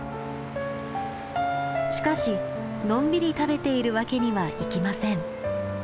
しかしのんびり食べているわけにはいきません。